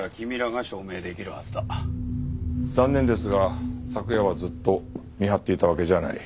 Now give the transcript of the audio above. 残念ですが昨夜はずっと見張っていたわけじゃない。